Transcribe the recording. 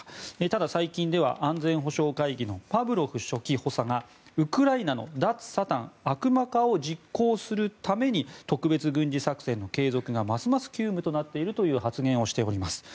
ただ、最近では安全保障会議のパブロフ書記補佐がウクライナの脱サタン悪魔化を実行するために特別軍事作戦の継続がますます急務となっているという発言をしております。